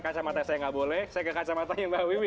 kacamatanya saya gak boleh saya ke kacamatanya mbak wiwi